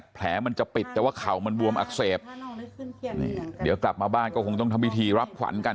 แผลมันจะปิดแต่ว่าเข่ามันบวมอักเสบนี่เดี๋ยวกลับมาบ้านก็คงต้องทำพิธีรับขวัญกัน